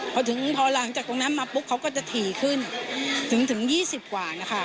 พอถึงพอหลังจากตรงนั้นมาปุ๊บเขาก็จะถี่ขึ้นถึง๒๐กว่านะคะ